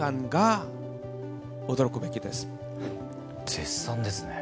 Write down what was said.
絶賛ですね。